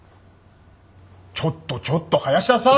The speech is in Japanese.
ちょっとちょっと林田さん！